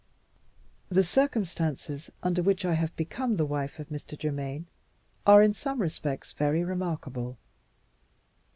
The circumstances under which I have become the wife of Mr. Germaine are, in some respects, very remarkable.